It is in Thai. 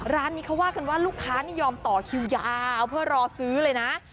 ร้านนี้เขาว่ากันว่าลูกค้านี่ยอมต่อคิวยาวเพื่อรอซื้อเลยนะ